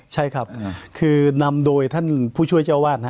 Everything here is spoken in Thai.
ใช่ครับคือนำโดยท่านผู้ช่วยเจ้าวาด